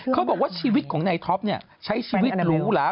เขาบอกว่าชีวิตของนายท็อปเนี่ยใช้ชีวิตหรูหลา